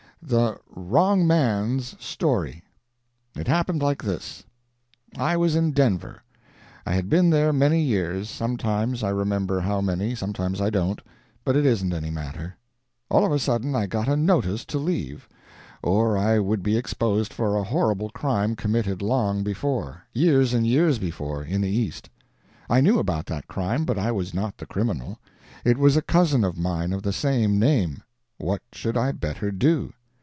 THE "WRONG MAN'S" STORY It happened like this: I was in Denver. I had been there many years; sometimes I remember how many, sometimes I don't but it isn't any matter. All of a sudden I got a notice to leave, or I would be exposed for a horrible crime committed long before years and years before in the East. I knew about that crime, but I was not the criminal; it was a cousin of mine of the same name. What should I better do?